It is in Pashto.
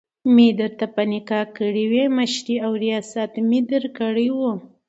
مي درته په نکاح کړي وي، مشري او رياست مي درکړی وو